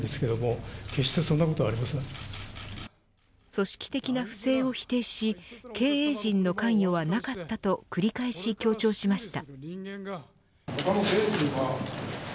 組織的な不正を否定し経営陣の関与はなかったと繰り返し強調しました。